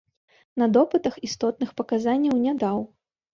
На допытах істотных паказанняў не даў.